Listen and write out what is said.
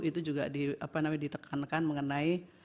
itu juga ditekankan mengenai